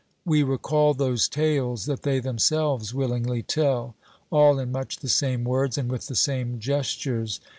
We recall those tales that they themselves willingly tell, all in much the same words and with the same gestures.